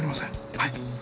はい。